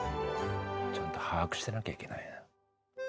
ちゃんと把握してなきゃいけないな。